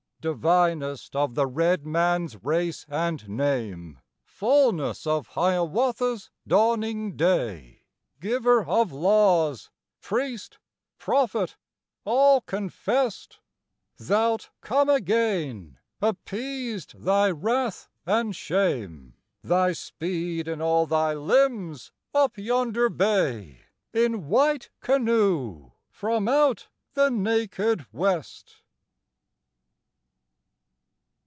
Divinest of the red man's race and name, Fulness of Hiawatha's dawning day, Giver of laws, priest, prophet, all confest! Thou'lt come again, appeased thy wrath and shame, Thy speed in all thy limbs, up yonder Bay In white canoe from out the naked west.